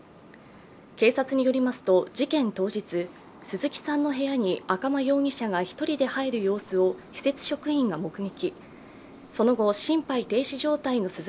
警察によりますと、事件当日、鈴木さんの部屋に赤間容疑者が１人で入る様子を施設職員が目撃。